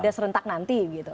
ada serentak nanti gitu